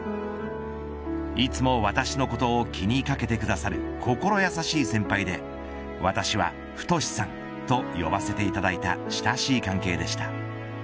いつも私のことを気にかけてくださる心優しい先輩で私は太さんと呼ばせていただいた親しい関係でした。